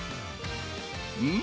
うん？